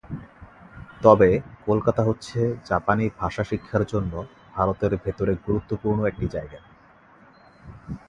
তবে কলকাতা হচ্ছে জাপানি ভাষা শিক্ষার জন্য ভারতের ভেতরে গুরুত্বপূর্ণ একটি জায়গা।